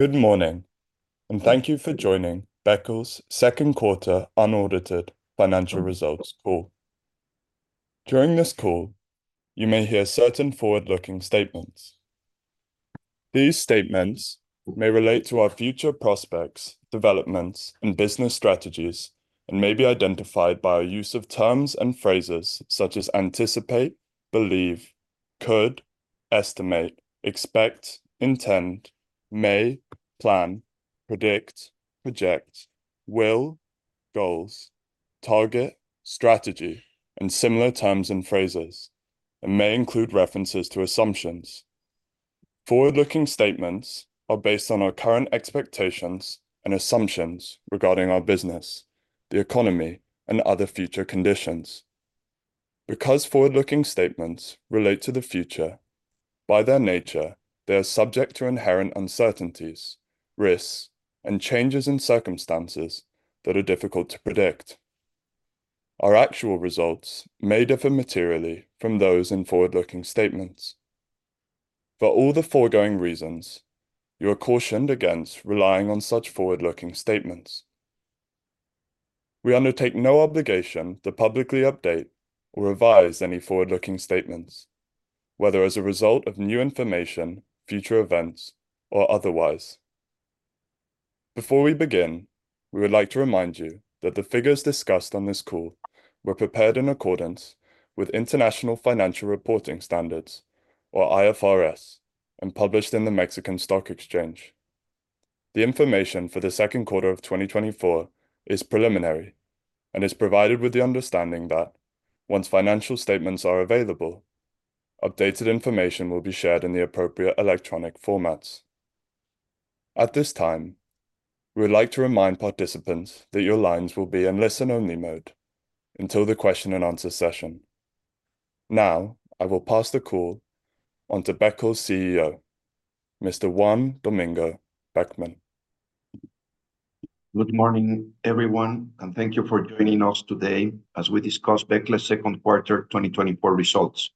Good morning, and thank you for joining Becle's second quarter unaudited financial results call. During this call, you may hear certain forward-looking statements. These statements may relate to our future prospects, developments, and business strategies, and may be identified by our use of terms and phrases such as anticipate, believe, could, estimate, expect, intend, may, plan, predict, project, will, goals, target, strategy, and similar terms and phrases, and may include references to assumptions. Forward-looking statements are based on our current expectations and assumptions regarding our business, the economy, and other future conditions. Because forward-looking statements relate to the future, by their nature, they are subject to inherent uncertainties, risks, and changes in circumstances that are difficult to predict. Our actual results may differ materially from those in forward-looking statements. For all the foregoing reasons, you are cautioned against relying on such forward-looking statements. We undertake no obligation to publicly update or revise any forward-looking statements, whether as a result of new information, future events, or otherwise. Before we begin, we would like to remind you that the figures discussed on this call were prepared in accordance with International Financial Reporting Standards, or IFRS, and published in the Mexican Stock Exchange. The information for the second quarter of 2024 is preliminary and is provided with the understanding that, once financial statements are available, updated information will be shared in the appropriate electronic formats. At this time, we would like to remind participants that your lines will be in listen-only mode until the question-and-answer session. Now, I will pass the call on to Becle's CEO, Mr. Juan Domingo Beckmann. Good morning, everyone, and thank you for joining us today as we discuss Becle's second quarter 2024 results.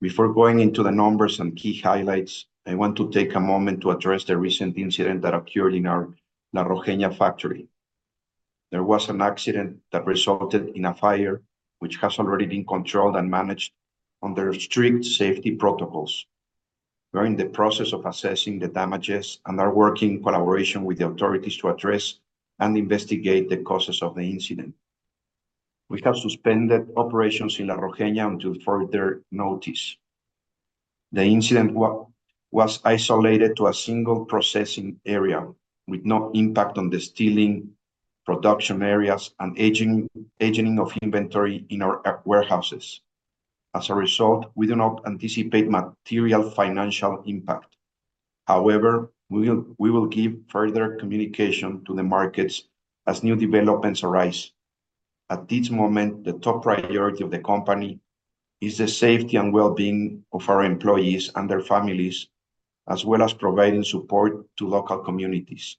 Before going into the numbers and key highlights, I want to take a moment to address the recent incident that occurred in our La Rojeña factory. There was an accident that resulted in a fire, which has already been controlled and managed under strict safety protocols. We are in the process of assessing the damages and are working in collaboration with the authorities to address and investigate the causes of the incident. We have suspended operations in La Rojeña until further notice. The incident was isolated to a single processing area, with no impact on the steeping, production areas, and aging of inventory in our warehouses. As a result, we do not anticipate material financial impact. However, we will give further communication to the markets as new developments arise. At this moment, the top priority of the company is the safety and well-being of our employees and their families, as well as providing support to local communities.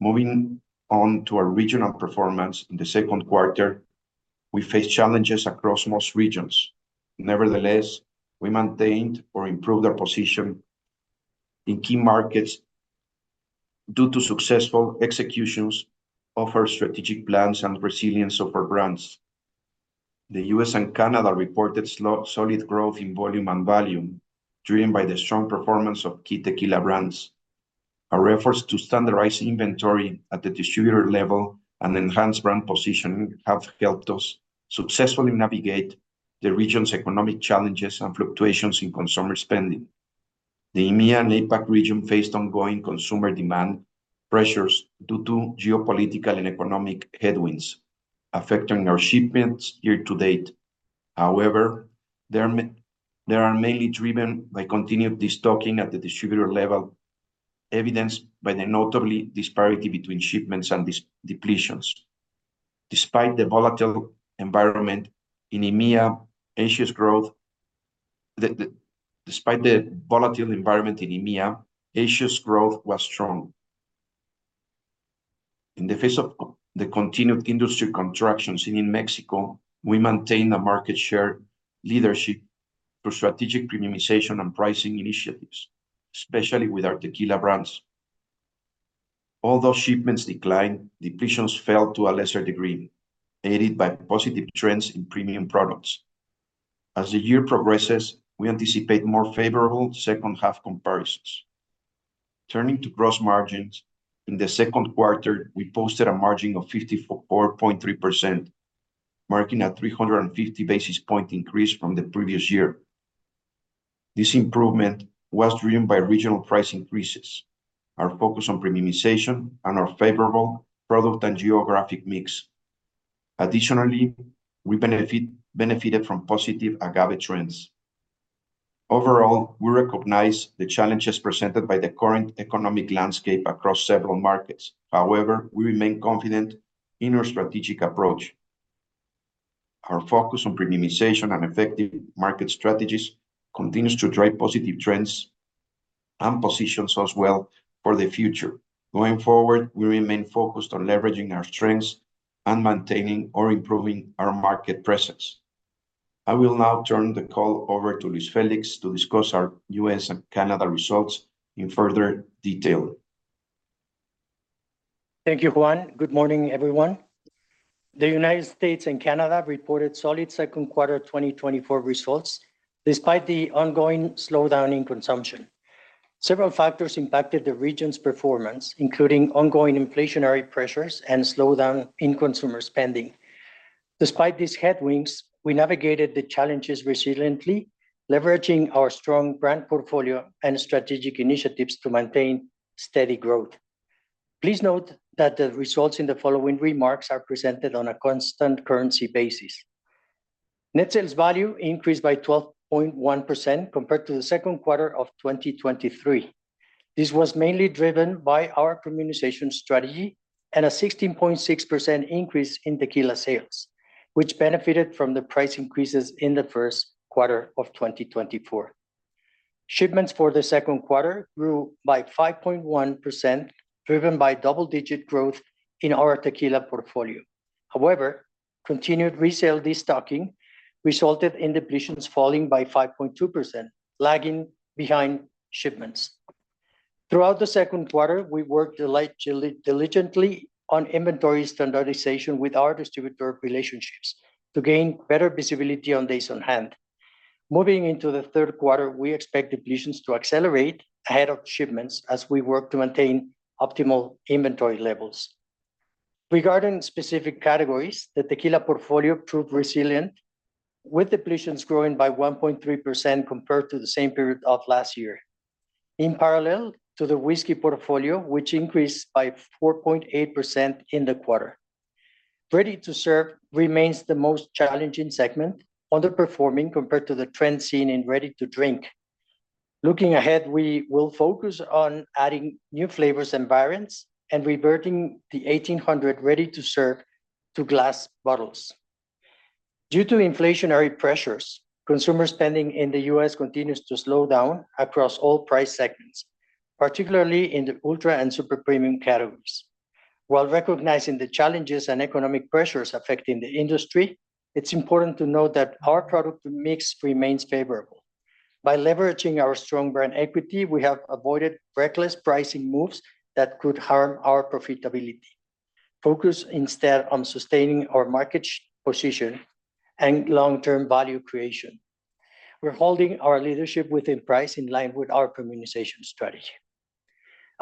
Moving on to our regional performance in the second quarter, we faced challenges across most regions. Nevertheless, we maintained or improved our position in key markets due to successful executions of our strategic plans and resilience of our brands. The US and Canada reported solid growth in volume and value, driven by the strong performance of key tequila brands. Our efforts to standardize inventory at the distributor level and enhance brand positioning have helped us successfully navigate the region's economic challenges and fluctuations in consumer spending. The EMEA and APAC region faced ongoing consumer demand pressures due to geopolitical and economic headwinds affecting our shipments year to date. However, they are mainly driven by continued stocking at the distributor level, evidenced by the notable disparity between shipments and depletions. Despite the volatile environment in EMEA, EMEA's growth was strong. In the face of the continued industry contractions in Mexico, we maintained a market share leadership through strategic premiumization and pricing initiatives, especially with our tequila brands. Although shipments declined, depletions fell to a lesser degree, aided by positive trends in premium products. As the year progresses, we anticipate more favorable second-half comparisons. Turning to gross margins, in the second quarter, we posted a margin of 54.3%, marking a 350 basis point increase from the previous year. This improvement was driven by regional price increases, our focus on premiumization, and our favorable product and geographic mix. Additionally, we benefited from positive agave trends. Overall, we recognize the challenges presented by the current economic landscape across several markets. However, we remain confident in our strategic approach. Our focus on premiumization and effective market strategies continues to drive positive trends and positions us well for the future. Going forward, we remain focused on leveraging our strengths and maintaining or improving our market presence. I will now turn the call over to Luis Felix to discuss our US and Canada results in further detail. Thank you, Juan. Good morning, everyone. The United States and Canada reported solid second quarter 2024 results despite the ongoing slowdown in consumption. Several factors impacted the region's performance, including ongoing inflationary pressures and slowdown in consumer spending. Despite these headwinds, we navigated the challenges resiliently, leveraging our strong brand portfolio and strategic initiatives to maintain steady growth. Please note that the results in the following remarks are presented on a constant currency basis. Net Sales Value increased by 12.1% compared to the second quarter of 2023. This was mainly driven by our premiumization strategy and a 16.6% increase in tequila sales, which benefited from the price increases in the first quarter of 2024. Shipments for the second quarter grew by 5.1%, driven by double-digit growth in our tequila portfolio. However, continued resale destocking resulted in depletions falling by 5.2%, lagging behind shipments. Throughout the second quarter, we worked diligently on inventory standardization with our distributor relationships to gain better visibility on days on hand. Moving into the third quarter, we expect depletions to accelerate ahead of shipments as we work to maintain optimal inventory levels. Regarding specific categories, the tequila portfolio proved resilient, with depletions growing by 1.3% compared to the same period of last year, in parallel to the whiskey portfolio, which increased by 4.8% in the quarter. Ready-to-serve remains the most challenging segment, underperforming compared to the trend seen in ready-to-drink. Looking ahead, we will focus on adding new flavors and variants and reverting the 1800 ready-to-serve to glass bottles. Due to inflationary pressures, consumer spending in the U.S. continues to slow down across all price segments, particularly in the ultra and super premium categories. While recognizing the challenges and economic pressures affecting the industry, it's important to note that our product mix remains favorable. By leveraging our strong brand equity, we have avoided reckless pricing moves that could harm our profitability. Focus instead on sustaining our market position and long-term value creation. We're holding our leadership within price in line with our premiumization strategy.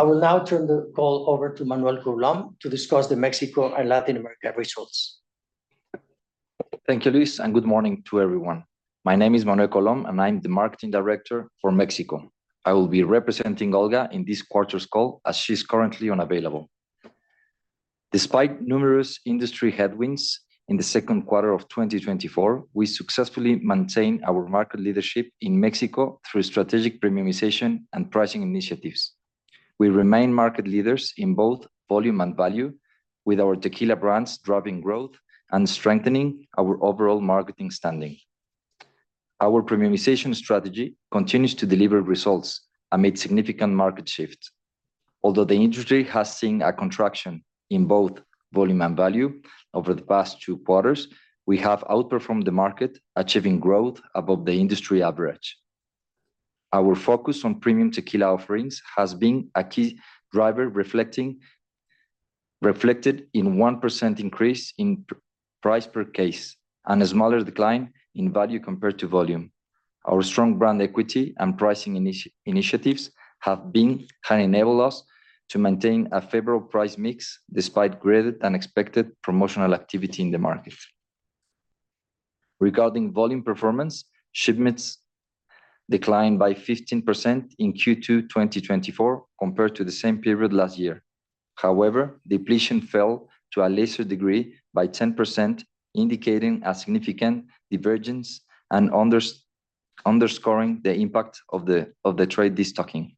I will now turn the call over to Manuel Colón to discuss the Mexico and Latin America results. Thank you, Luis, and good morning to everyone. My name is Manuel Colón, and I'm the Marketing Director for Mexico. I will be representing Olga in this quarter's call as she's currently unavailable. Despite numerous industry headwinds in the second quarter of 2024, we successfully maintained our market leadership in Mexico through strategic premiumization and pricing initiatives. We remain market leaders in both volume and value, with our tequila brands driving growth and strengthening our overall marketing standing. Our premiumization strategy continues to deliver results amid significant market shifts. Although the industry has seen a contraction in both volume and value over the past two quarters, we have outperformed the market, achieving growth above the industry average. Our focus on premium tequila offerings has been a key driver, reflected in a 1% increase in price per case and a smaller decline in value compared to volume. Our strong brand equity and pricing initiatives have been enabling us to maintain a favorable price mix despite greater-than-expected promotional activity in the market. Regarding volume performance, shipments declined by 15% in Q2 2024 compared to the same period last year. However, depletion fell to a lesser degree by 10%, indicating a significant divergence and underscoring the impact of the trade destocking.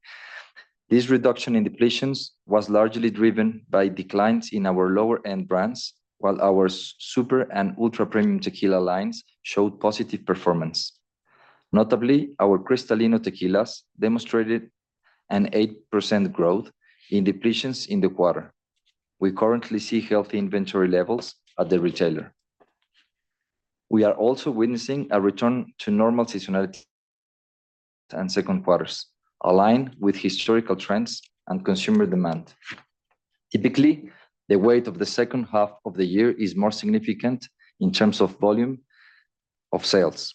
This reduction in depletions was largely driven by declines in our lower-end brands, while our super and ultra-premium tequila lines showed positive performance. Notably, our Cristalino tequilas demonstrated an 8% growth in depletions in the quarter. We currently see healthy inventory levels at the retailer. We are also witnessing a return to normal seasonality and second quarters, aligned with historical trends and consumer demand. Typically, the weight of the second half of the year is more significant in terms of volume of sales.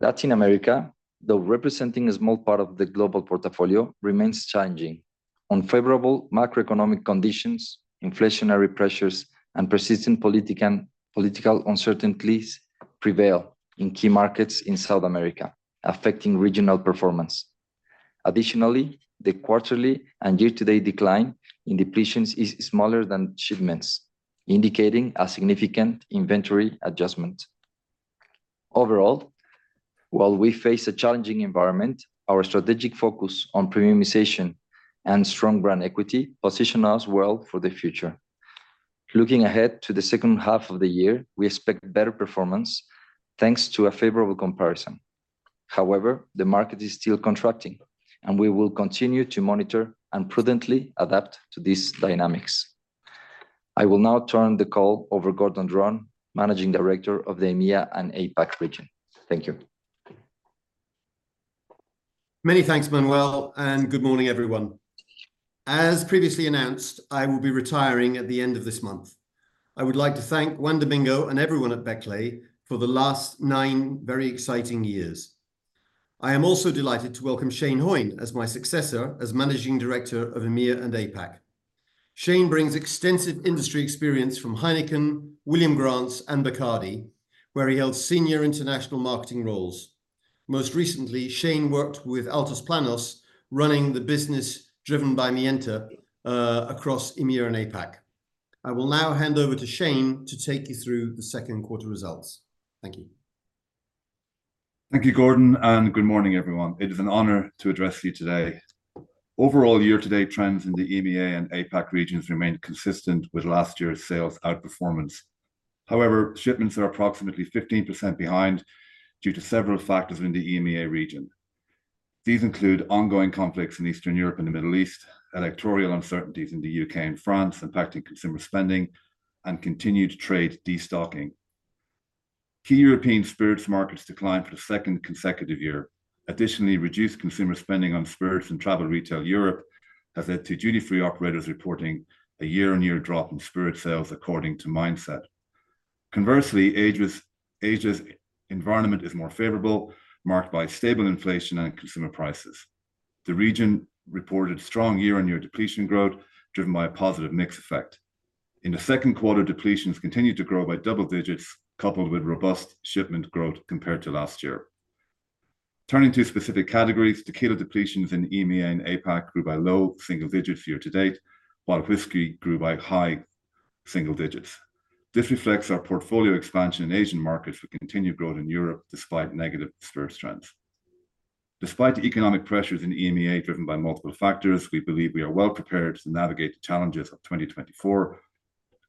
Latin America, though representing a small part of the global portfolio, remains challenging. Unfavorable macroeconomic conditions, inflationary pressures, and persistent political uncertainties prevail in key markets in South America, affecting regional performance. Additionally, the quarterly and year-to-date decline in depletions is smaller than shipments, indicating a significant inventory adjustment. Overall, while we face a challenging environment, our strategic focus on premiumization and strong brand equity positions us well for the future. Looking ahead to the second half of the year, we expect better performance thanks to a favorable comparison. However, the market is still contracting, and we will continue to monitor and prudently adapt to these dynamics. I will now turn the call over to Gordon Dron, Managing Director of the EMEA and APAC region. Thank you. Many thanks, Manuel, and good morning, everyone. As previously announced, I will be retiring at the end of this month. I would like to thank Juan Domingo and everyone at Becle for the last nine very exciting years. I am also delighted to welcome Shane Hoyne as my successor as Managing Director of EMEA and APAC. Shane brings extensive industry experience from Heineken, William Grant & Sons, and Bacardi, where he held senior international marketing roles. Most recently, Shane worked with Altos Planos, running the business driven by Mijenta across EMEA and APAC. I will now hand over to Shane to take you through the second quarter results. Thank you. Thank you, Gordon, and good morning, everyone. It is an honor to address you today. Overall year-to-date trends in the EMEA and APAC regions remain consistent with last year's sales outperformance. However, shipments are approximately 15% behind due to several factors in the EMEA region. These include ongoing conflicts in Eastern Europe and the Middle East, electoral uncertainties in the U.K. and France impacting consumer spending, and continued trade destocking. Key European spirits markets declined for the second consecutive year. Additionally, reduced consumer spending on spirits in travel retail Europe has led to duty-free operators reporting a year-on-year drop in spirit sales, according to m1nd-set. Conversely, Asia's environment is more favorable, marked by stable inflation and consumer prices. The region reported strong year-on-year depletion growth driven by a positive mix effect. In the second quarter, depletions continued to grow by double digits, coupled with robust shipment growth compared to last year. Turning to specific categories, tequila depletions in EMEA and APAC grew by low single digits year-to-date, while whiskey grew by high single digits. This reflects our portfolio expansion in Asian markets with continued growth in Europe despite negative spirits trends. Despite the economic pressures in EMEA driven by multiple factors, we believe we are well prepared to navigate the challenges of 2024.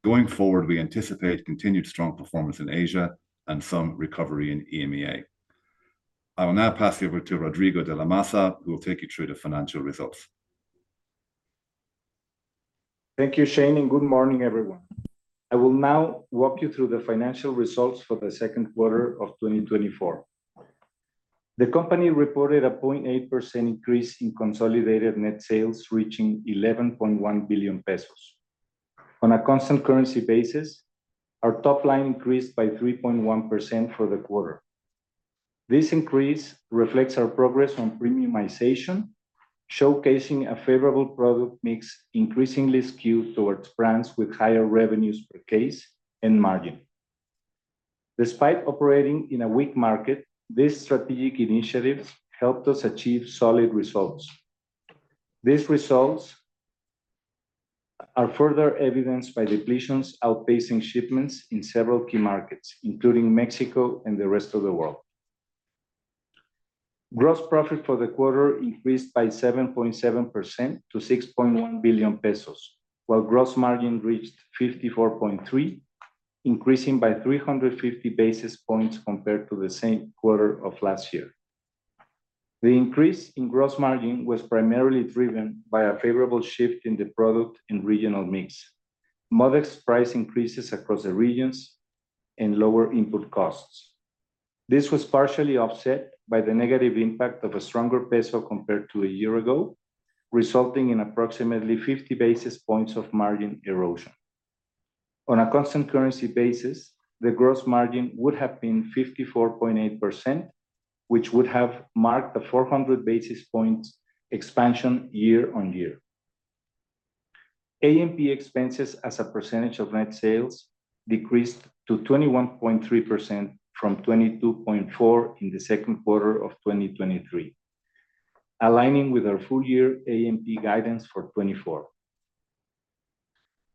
Going forward, we anticipate continued strong performance in Asia and some recovery in EMEA. I will now pass you over to Rodrigo de la Maza, who will take you through the financial results. Thank you, Shane, and good morning, everyone. I will now walk you through the financial results for the second quarter of 2024. The company reported a 0.8% increase in consolidated net sales, reaching 11.1 billion pesos. On a constant currency basis, our top line increased by 3.1% for the quarter. This increase reflects our progress on premiumization, showcasing a favorable product mix increasingly skewed towards brands with higher revenues per case and margin. Despite operating in a weak market, these strategic initiatives helped us achieve solid results. These results are further evidenced by depletions outpacing shipments in several key markets, including Mexico and the rest of the world. Gross profit for the quarter increased by 7.7% to 6.1 billion pesos, while gross margin reached 54.3%, increasing by 350 basis points compared to the same quarter of last year. The increase in gross margin was primarily driven by a favorable shift in the product and regional mix, modest price increases across the regions, and lower input costs. This was partially offset by the negative impact of a stronger peso compared to a year ago, resulting in approximately 50 basis points of margin erosion. On a constant currency basis, the gross margin would have been 54.8%, which would have marked a 400 basis points expansion year-on-year. AMP expenses as a percentage of net sales decreased to 21.3% from 22.4% in the second quarter of 2023, aligning with our full-year AMP guidance for 2024.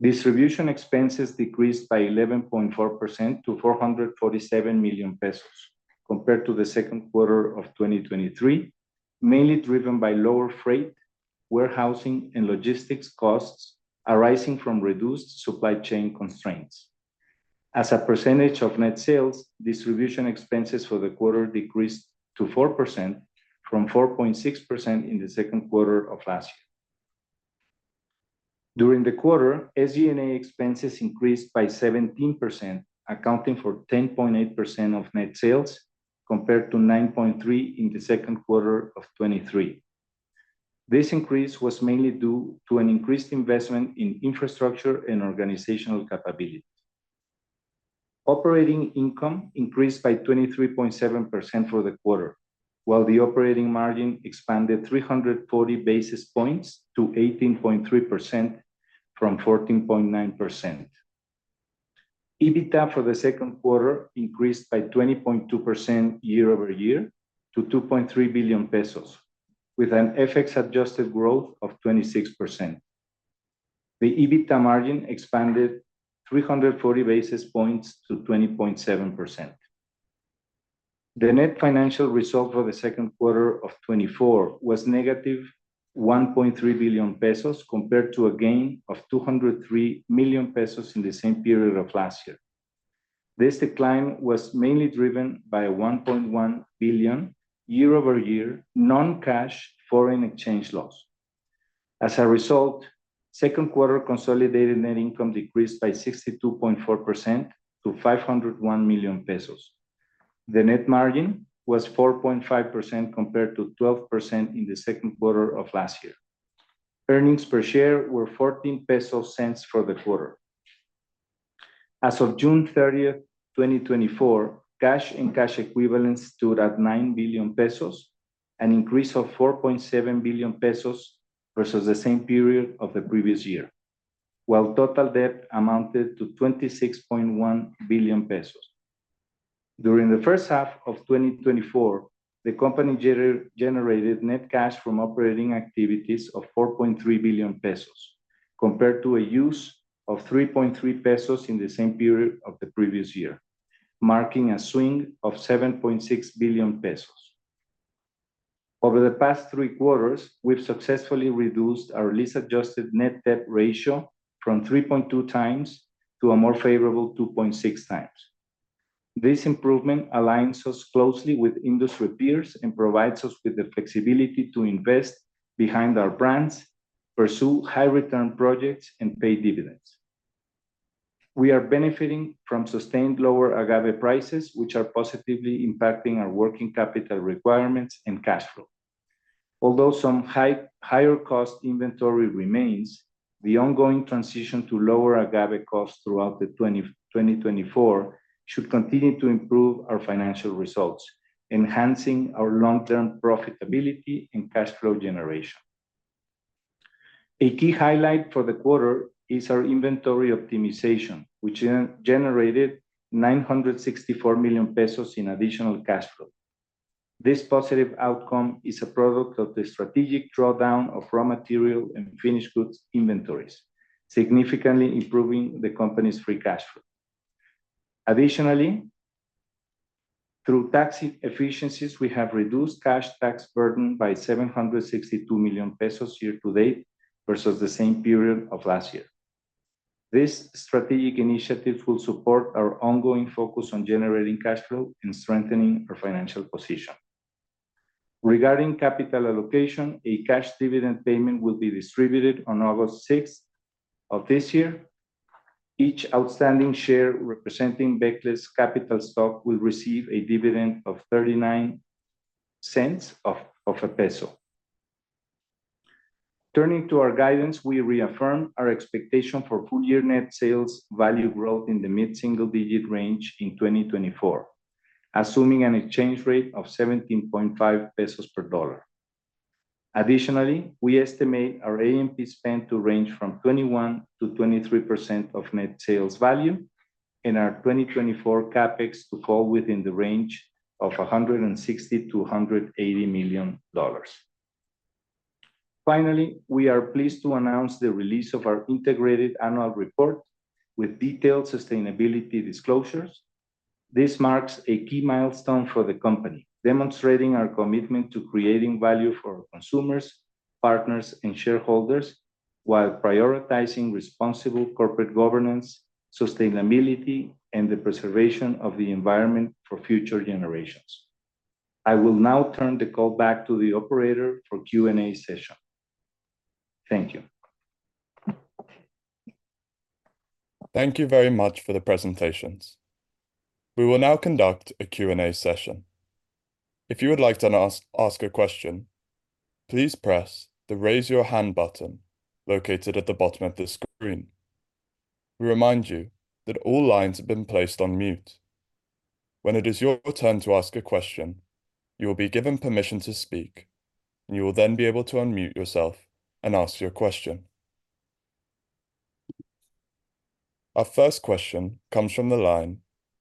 Distribution expenses decreased by 11.4% to 447 million pesos compared to the second quarter of 2023, mainly driven by lower freight, warehousing, and logistics costs arising from reduced supply chain constraints. As a percentage of net sales, distribution expenses for the quarter decreased to 4% from 4.6% in the second quarter of last year. During the quarter, SG&A expenses increased by 17%, accounting for 10.8% of net sales compared to 9.3% in the second quarter of 2023. This increase was mainly due to an increased investment in infrastructure and organizational capability. Operating income increased by 23.7% for the quarter, while the operating margin expanded 340 basis points to 18.3% from 14.9%. EBITDA for the second quarter increased by 20.2% year-over-year to 2.3 billion pesos, with an FX-adjusted growth of 26%. The EBITDA margin expanded 340 basis points to 20.7%. The net financial result for the second quarter of 2024 was negative 1.3 billion pesos compared to a gain of 203 million pesos in the same period of last year. This decline was mainly driven by a 1.1 billion year-over-year non-cash foreign exchange loss. As a result, second quarter consolidated net income decreased by 62.4% to 501 million pesos. The net margin was 4.5% compared to 12% in the second quarter of last year. Earnings per share were 0.14 for the quarter. As of June 30, 2024, cash and cash equivalents stood at 9 billion pesos, an increase of 4.7 billion pesos versus the same period of the previous year, while total debt amounted to 26.1 billion pesos. During the first half of 2024, the company generated net cash from operating activities of 4.3 billion pesos compared to a use of 3.3 billion pesos in the same period of the previous year, marking a swing of 7.6 billion pesos. Over the past three quarters, we've successfully reduced our leverage-adjusted net debt ratio frorom 3.2 times to a more favorable 2.6 times. This improvement aligns us closely with industry peers and provides us with the flexibility to invest behind our brands, pursue high-return projects, and pay dividends. We are benefiting from sustained lower agave prices, which are positively impacting our working capital requirements and cash flow. Although some higher-cost inventory remains, the ongoing transition to lower agave costs throughout 2024 should continue to improve our financial results, enhancing our long-term profitability and cash flow generation. A key highlight for the quarter is our inventory optimization, which generated 964 million pesos in additional cash flow. This positive outcome is a product of the strategic drawdown of raw material and finished goods inventories, significantly improving the company's free cash flow. Additionally, through tax efficiencies, we have reduced cash tax burden by 762 million pesos year-to-date versus the same period of last year. This strategic initiative will support our ongoing focus on generating cash flow and strengthening our financial position. Regarding capital allocation, a cash dividend payment will be distributed on August 6 of this year. Each outstanding share representing Becle's capital stock will receive a dividend of 0.39. Turning to our guidance, we reaffirm our expectation for full-year net sales value growth in the mid-single-digit range in 2024, assuming an exchange rate of 17.5 pesos per USD. Additionally, we estimate our AMP spend to range from 21%-23% of net sales value and our 2024 CapEx to fall within the range of $160 million-$180 million. Finally, we are pleased to announce the release of our integrated annual report with detailed sustainability disclosures. This marks a key milestone for the company, demonstrating our commitment to creating value for our consumers, partners, and shareholders while prioritizing responsible corporate governance, sustainability, and the preservation of the environment for future generations. I will now turn the call back to the operator for Q&A session. Thank you. Thank you very much for the presentations. We will now conduct a Q&A session. If you would like to ask a question, please press the Raise Your Hand button located at the bottom of the screen. We remind you that all lines have been placed on mute. When it is your turn to ask a question, you will be given permission to speak, and you will then be able to unmute yourself and ask your question. Our first question comes from the line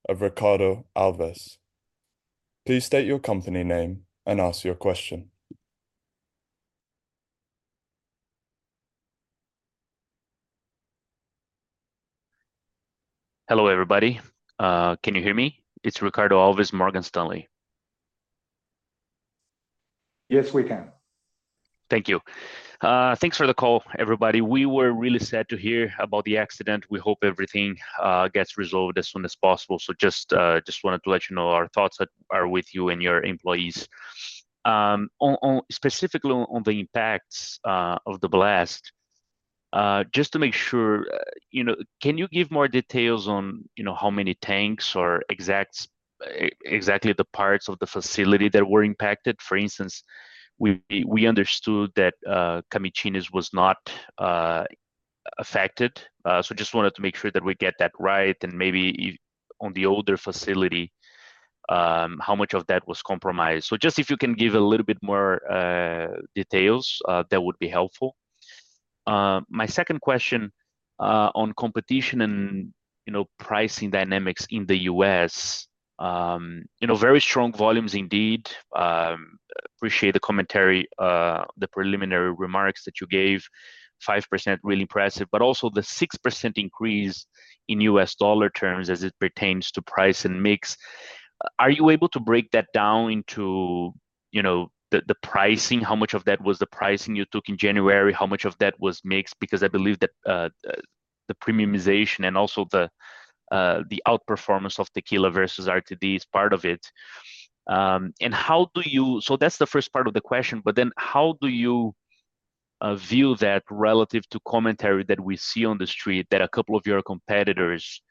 of Ricardo Alves. Please state your company name and ask your question. Hello, everybody. Can you hear me? It's Ricardo Alves, Morgan Stanley. Yes, we can. Thank you. Thanks for the call, everybody. We were really sad to hear about the accident. We hope everything gets resolved as soon as possible. So just wanted to let you know our thoughts that are with you and your employees, specifically on the impacts of the blast. Just to make sure, can you give more details on how many tanks or exactly the parts of the facility that were impacted? For instance, we understood that Camichines was not affected. So just wanted to make sure that we get that right. And maybe on the older facility, how much of that was compromised? So just if you can give a little bit more details, that would be helpful. My second question on competition and pricing dynamics in the U.S., very strong volumes indeed. Appreciate the commentary, the preliminary remarks that you gave, 5% really impressive, but also the 6% increase in U.S. dollar terms as it pertains to price and mix. Are you able to break that down into the pricing? How much of that was the pricing you took in January? How much of that was mixed? Because I believe that the premiumization and also the outperformance of Tequila versus RTD is part of it. And how do you, so that's the first part of the question. But then how do you view that relative to commentary that we see on the street that a couple of your competitors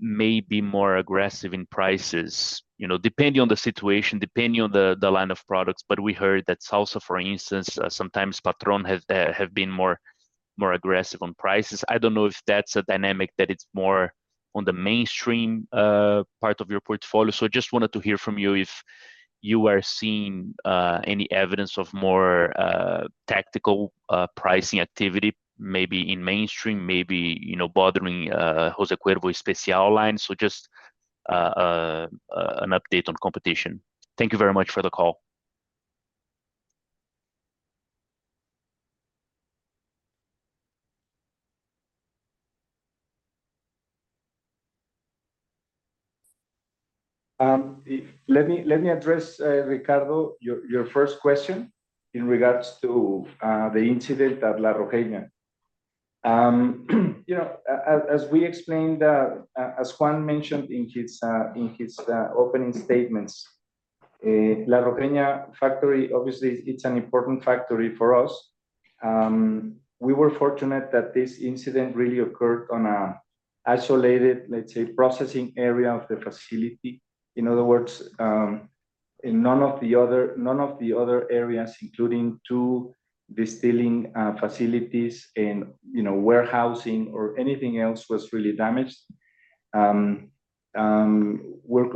may be more aggressive in prices, depending on the situation, depending on the line of products? But we heard that Sauza, for instance, sometimes Patrón have been more aggressive on prices. I don't know if that's a dynamic that it's more on the mainstream part of your portfolio. So I just wanted to hear from you if you are seeing any evidence of more tactical pricing activity, maybe in mainstream, maybe bothering José Cuervo Especial line. So just an update on competition. Thank you very much for the call. Let me address, Ricardo, your first question in regards to the incident at La Rojeña. As we explained, as Juan mentioned in his opening statements, La Rojeña factory, obviously, it's an important factory for us. We were fortunate that this incident really occurred on an isolated, let's say, processing area of the facility. In other words, none of the other areas, including two distilling facilities and warehousing or anything else, was really damaged. We're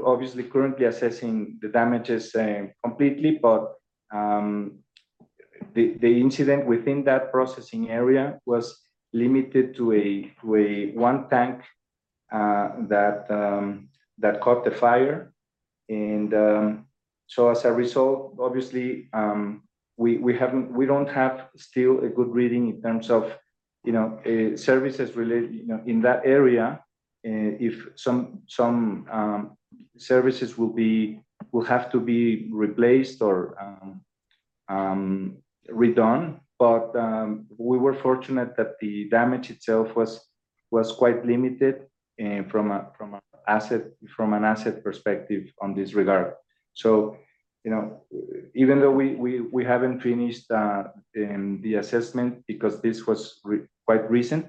obviously currently assessing the damages completely, but the incident within that processing area was limited to a one tank that caught the fire. And so as a result, obviously, we don't have still a good reading in terms of services in that area, if some services will have to be replaced or redone. But we were fortunate that the damage itself was quite limited from an asset perspective on this regard. So even though we haven't finished the assessment because this was quite recent,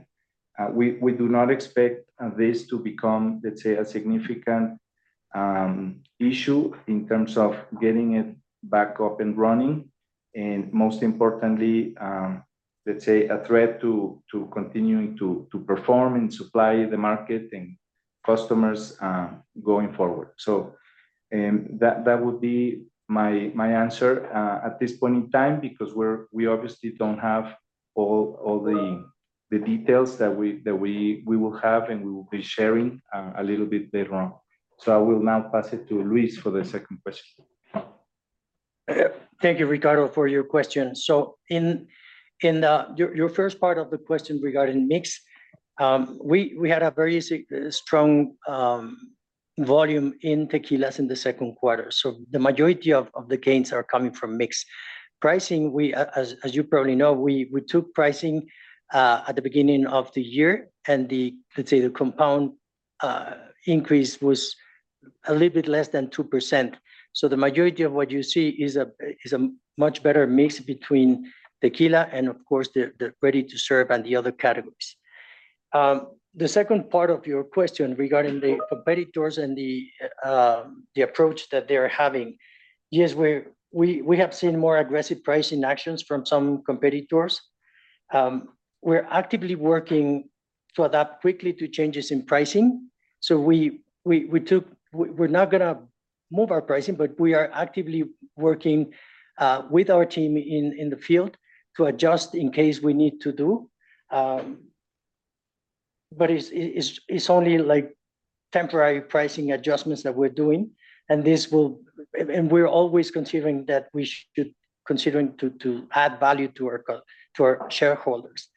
we do not expect this to become, let's say, a significant issue in terms of getting it back up and running. And most importantly, let's say, a threat to continuing to perform and supply the market and customers going forward. So that would be my answer at this point in time because we obviously don't have all the details that we will have and we will be sharing a little bit later on. So I will now pass it to Luis for the second question. Thank you, Ricardo, for your question. So in your first part of the question regarding mix, we had a very strong volume in Tequila in the second quarter. So the majority of the gains are coming from mixed pricing. As you probably know, we took pricing at the beginning of the year, and let's say the compound increase was a little bit less than 2%. So the majority of what you see is a much better mix between Tequila and, of course, the ready-to-serve and the other categories. The second part of your question regarding the competitors and the approach that they're having, yes, we have seen more aggressive pricing actions from some competitors. We're actively working to adapt quickly to changes in pricing. We're not going to move our pricing, but we are actively working with our team in the field to adjust in case we need to do. It's only temporary pricing adjustments that we're doing. We're always considering that we should consider to add value to our shareholders.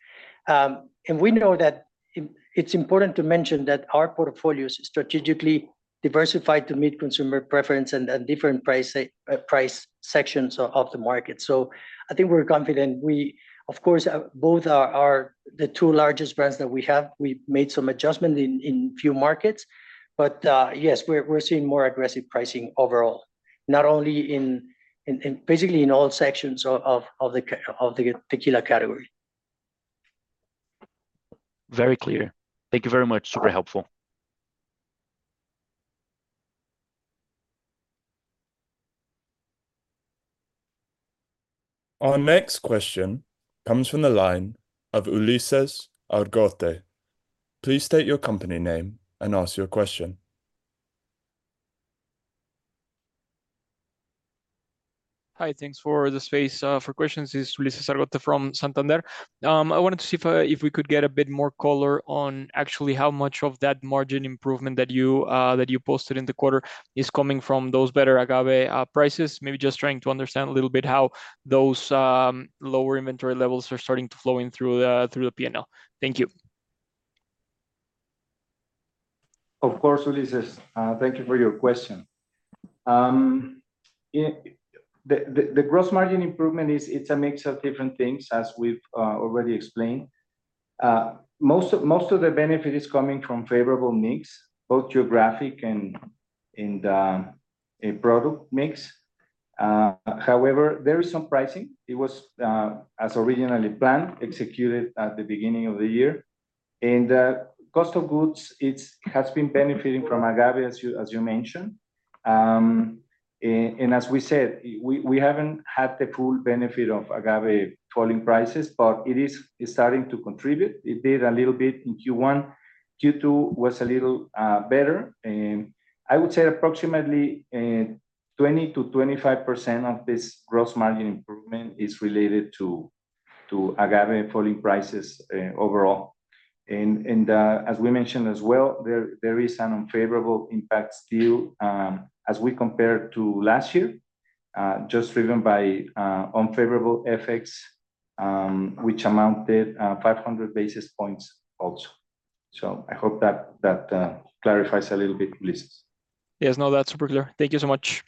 We know that it's important to mention that our portfolio is strategically diversified to meet consumer preference and different price sections of the market. I think we're confident. We, of course, both are the two largest brands that we have. We've made some adjustments in a few markets. Yes, we're seeing more aggressive pricing overall, not only in basically in all sections of the Tequila category. Very clear. Thank you very much. Super helpful. Our next question comes from the line of Ulises Argote. Please state your company name and ask your question. Hi, thanks for the space for questions. This is Ulises Argote from Santander. I wanted to see if we could get a bit more color on actually how much of that margin improvement that you posted in the quarter is coming from those better agave prices. Maybe just trying to understand a little bit how those lower inventory levels are starting to flow in through the P&L. Thank you. Of course, Ulises. Thank you for your question. The gross margin improvement, it's a mix of different things, as we've already explained. Most of the benefit is coming from favorable mix, both geographic and product mix. However, there is some pricing. It was, as originally planned, executed at the beginning of the year. And the cost of goods, it has been benefiting from agave, as you mentioned. And as we said, we haven't had the full benefit of agave falling prices, but it is starting to contribute. It did a little bit in Q1. Q2 was a little better. And I would say approximately 20%-25% of this gross margin improvement is related to agave falling prices overall. And as we mentioned as well, there is an unfavorable impact still as we compare to last year, just driven by unfavorable effects, which amounted to 500 basis points also. I hope that clarifies a little bit, Ulises. Yes, no, that's super clear. Thank you so much.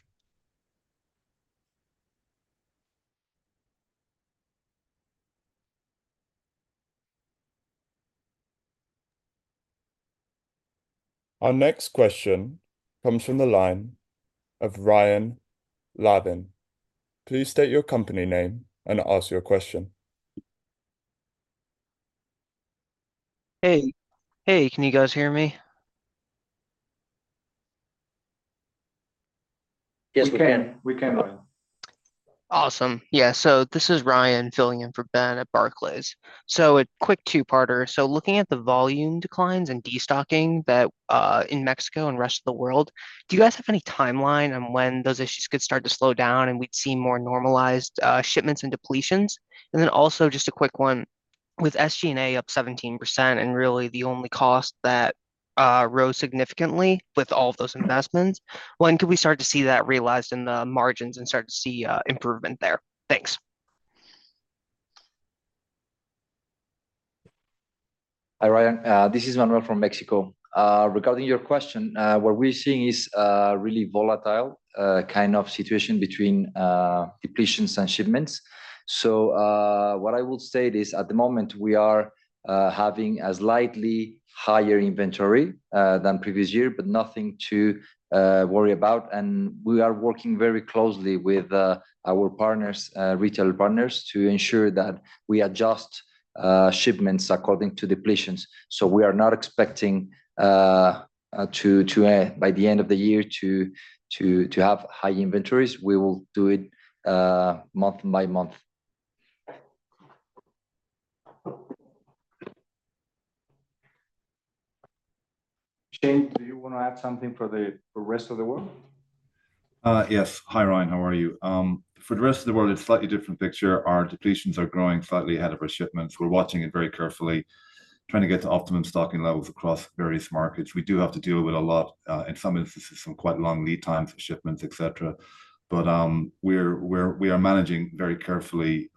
Our next question comes from the line of Ryan Lavin. Please state your company name and ask your question. Hey. Hey, can you guys hear me? Yes, we can. We can, Ryan. Awesome. Yeah. So this is Ryan filling in for Ben at Barclays. So a quick two-parter. So looking at the volume declines and destocking in Mexico and the rest of the world, do you guys have any timeline on when those issues could start to slow down and we'd see more normalized shipments and depletions? And then also just a quick one, with SG&A up 17% and really the only cost that rose significantly with all of those investments, when could we start to see that realized in the margins and start to see improvement there? Thanks. Hi, Ryan. This is Manuel from Mexico. Regarding your question, what we're seeing is a really volatile kind of situation between depletions and shipments. So what I would say is at the moment, we are having a slightly higher inventory than previous year, but nothing to worry about. And we are working very closely with our retail partners to ensure that we adjust shipments according to depletions. So we are not expecting to, by the end of the year, to have high inventories. We will do it month by month. Shane, do you want to add something for the rest of the world? Yes. Hi, Ryan. How are you? For the rest of the world, it's a slightly different picture. Our depletions are growing slightly ahead of our shipments. We're watching it very carefully, trying to get to optimum stocking levels across various markets. We do have to deal with a lot, in some instances, some quite long lead times for shipments, etc. But we are managing very carefully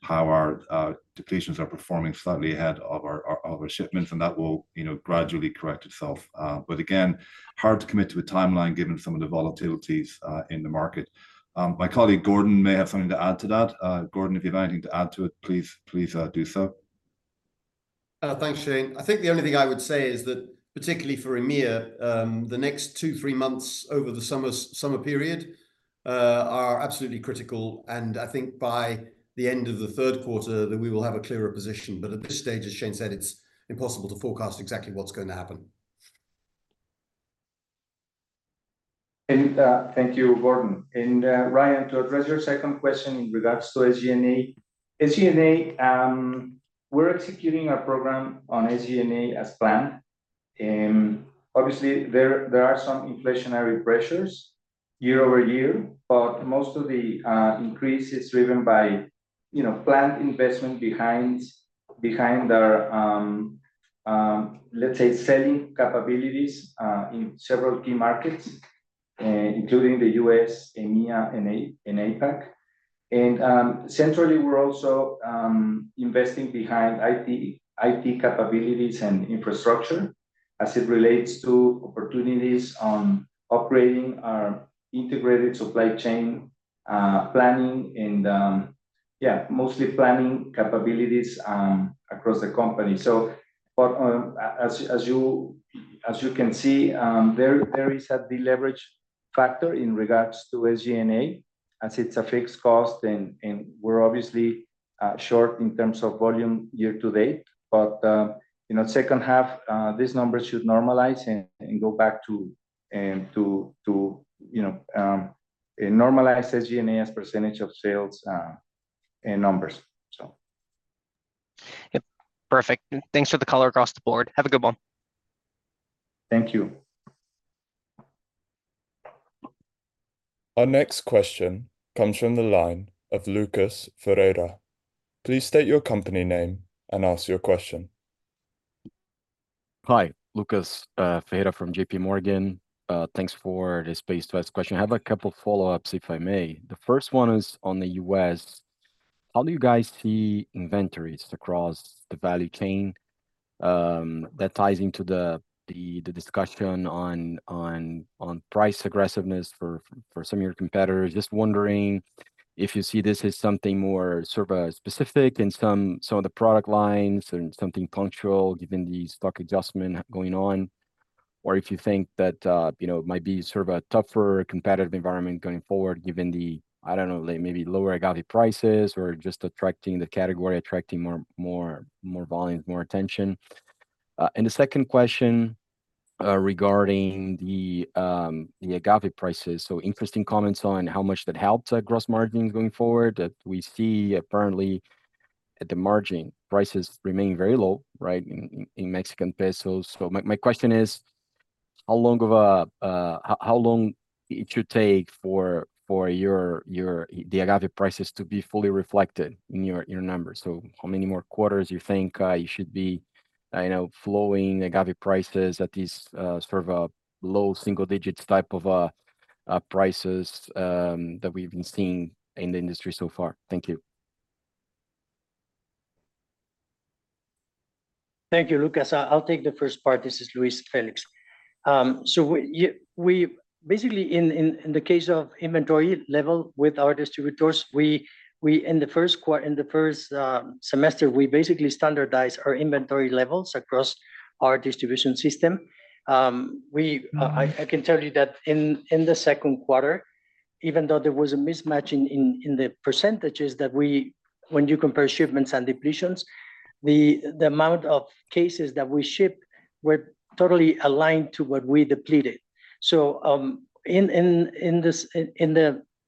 how our depletions are performing slightly ahead of our shipments, and that will gradually correct itself. But again, hard to commit to a timeline given some of the volatilities in the market. My colleague Gordon may have something to add to that. Gordon, if you have anything to add to it, please do so. Thanks, Shane. I think the only thing I would say is that, particularly for EMEA, the next 2, 3 months over the summer period are absolutely critical. I think by the end of the third quarter, that we will have a clearer position. At this stage, as Shane said, it's impossible to forecast exactly what's going to happen. And thank you, Gordon. And Ryan, to address your second question in regards to SG&A, we're executing our program on SG&A as planned. And obviously, there are some inflationary pressures year over year, but most of the increase is driven by planned investment behind our, let's say, selling capabilities in several key markets, including the U.S., EMEA, and APAC. And centrally, we're also investing behind IT capabilities and infrastructure as it relates to opportunities on upgrading our integrated supply chain planning and, yeah, mostly planning capabilities across the company. So as you can see, there is a deleverage factor in regards to SG&A as it's a fixed cost, and we're obviously short in terms of volume year to date. But in the second half, these numbers should normalize and go back to normalize SG&A as percentage of sales and numbers, so. Perfect. Thanks for the call across the board. Have a good one. Thank you. Our next question comes from the line of Lucas Ferreira. Please state your company name and ask your question. Hi, Lucas Ferreira from J.P. Morgan. Thanks for the space to ask a question. I have a couple of follow-ups, if I may. The first one is on the U.S. How do you guys see inventories across the value chain? That ties into the discussion on price aggressiveness for some of your competitors. Just wondering if you see this as something more sort of specific in some of the product lines and something punctual given the stock adjustment going on, or if you think that it might be sort of a tougher competitive environment going forward given the, I don't know, maybe lower agave prices or just attracting the category, attracting more volumes, more attention. And the second question regarding the agave prices. So interesting comments on how much that helps gross margins going forward that we see apparently at the margin prices remain very low, right, in Mexican pesos. My question is, how long it should take for the agave prices to be fully reflected in your numbers? How many more quarters you think you should be flowing agave prices at these sort of low single-digit type of prices that we've been seeing in the industry so far? Thank you. Thank you, Lucas. I'll take the first part. This is Luis Felix. So basically, in the case of inventory level with our distributors, in the first quarter, in the first semester, we basically standardized our inventory levels across our distribution system. I can tell you that in the second quarter, even though there was a mismatch in the percentages that when you compare shipments and depletions, the amount of cases that we ship were totally aligned to what we depleted. So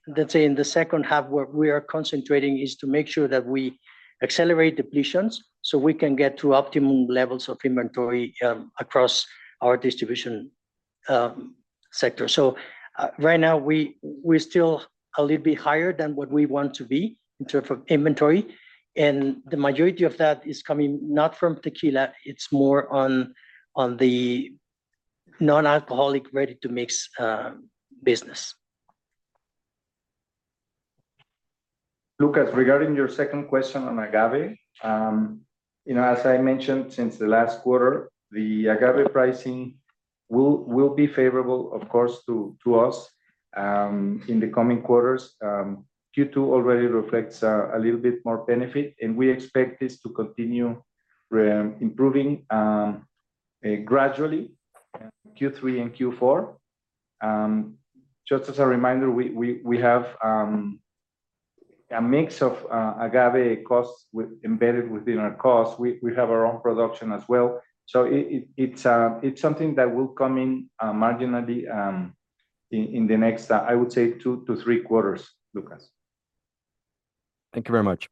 let's say in the second half, what we are concentrating is to make sure that we accelerate depletions so we can get to optimum levels of inventory across our distribution sector. So right now, we're still a little bit higher than what we want to be in terms of inventory. And the majority of that is coming not from Tequila. It's more on the non-alcoholic ready-to-mix business. Lucas, regarding your second question on agave, as I mentioned, since the last quarter, the agave pricing will be favorable, of course, to us in the coming quarters. Q2 already reflects a little bit more benefit, and we expect this to continue improving gradually, Q3 and Q4. Just as a reminder, we have a mix of agave costs embedded within our costs. We have our own production as well. So it's something that will come in marginally in the next, I would say, two to three quarters, Lucas. Thank you very much.